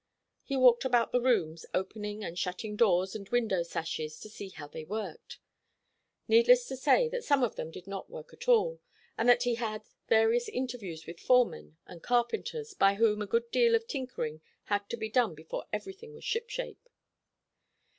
He walked about the rooms, opening and shutting doors and window sashes, to see how they worked. Needless to say that some of them did not work at all, and that he had various interviews with foremen and carpenters, by whom a good deal of tinkering had to be done before everything was ship shape.